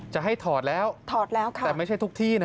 จะให้ถอดแล้วแต่ไม่ใช่ทุกที่